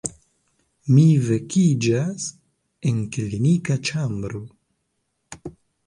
Mi vekiĝas en klinika ĉambro.